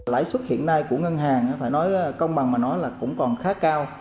lãi suất hiện nay của ngân hàng phải nói công bằng mà nói là cũng còn khá cao